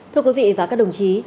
thưa quý vị và các đồng chí